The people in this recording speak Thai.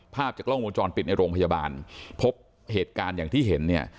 ภาพจากกล้องวงจรปิดในโรงพยาบาลพบเหตุการณ์อย่างที่เห็นเนี่ย